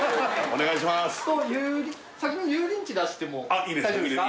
お願いします